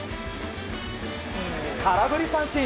空振り三振。